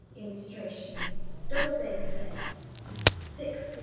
[Illustration: DOUBLE BASS. Length, 6 ft.